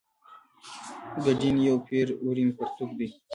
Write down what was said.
ګډین یو پېړ وړین پرتوګ دی.